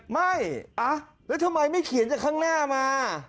ไม่แล้วทำไมไม่เขียนจากข้างหน้ามา